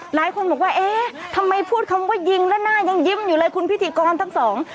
หลายคนบอกว่าเอ๊ะทำไมพูดคำว่ายิงแล้วหน้ายังยิ้มอยู่เลยคุณพิธีกรทั้งสอง